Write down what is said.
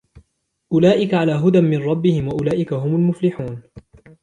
أُولَئِكَ عَلَى هُدًى مِنْ رَبِّهِمْ وَأُولَئِكَ هُمُ الْمُفْلِحُونَ